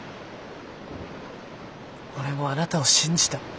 俺もあなたを信じた。